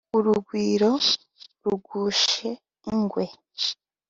Urugwiro rugush'ingwe